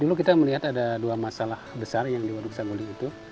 dulu kita melihat ada dua masalah besar yang di waduk saguling itu